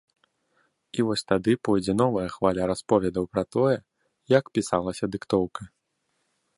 І вось тады пойдзе новая хваля расповедаў пра тое, як пісалася дыктоўка.